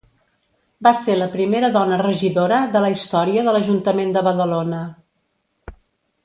Va ser la primera dona regidora de la història de l'Ajuntament de Badalona.